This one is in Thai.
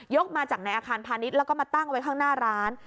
มาจากในอาคารพาณิชย์แล้วก็มาตั้งไว้ข้างหน้าร้าน